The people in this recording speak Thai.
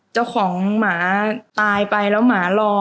เจ้าของหมาตายไปแล้วหมารอ